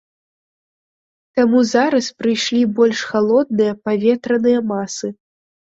Таму зараз прыйшлі больш халодныя паветраныя масы.